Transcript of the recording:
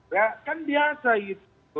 ya kan biasa gitu